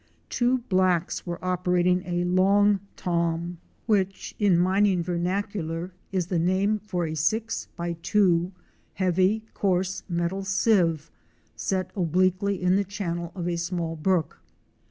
Two blacks were operating a 'Long Tom," which in 186 OUR SEARCH FOR A WILDERNESS. mining vernacular is the name for a six by two, heavy, coarse, metal sieve set obliquely in the channel of a small brook.